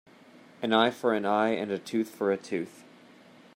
An eye for an eye and a tooth for a tooth.